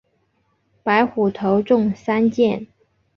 白虎头中三箭。